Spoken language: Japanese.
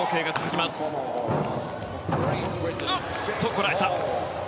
こらえた！